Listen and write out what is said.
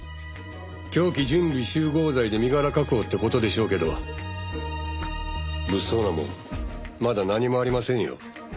凶器準備集合罪で身柄確保って事でしょうけど物騒なもんまだ何もありませんよ。